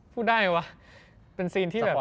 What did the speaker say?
พูดได้วะเป็นซีนที่แบบ